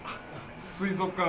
水族館